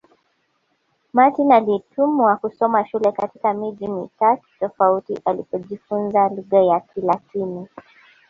Martin alitumwa kusoma shule katika miji mitatu tofauti alipojifunza lugha ya Kilatini